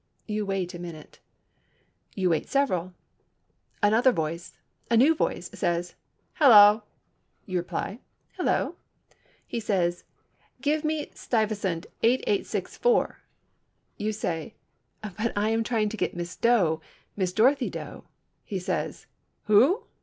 You wait a minute. You wait several. Another voice—a new voice says "Hello." You reply "Hello." He says, "Give me Stuyvesant 8864." You say, "But I'm trying to get Miss Doe—Miss Dorothy Doe." He says, "Who?"